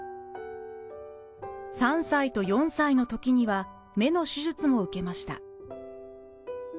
３歳と４歳のときには目の手術も受けました。